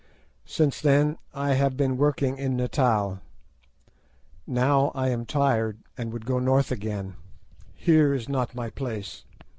Since then I have been working in Natal. Now I am tired, and would go North again. Here is not my place.